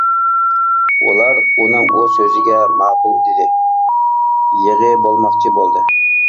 ئۇلار ئۇنىڭ ئۇ سۆزىگە ماقۇل دېدى، يېغى بولماقچى بولدى.